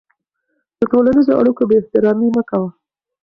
د ټولنیزو اړیکو بېاحترامي مه کوه.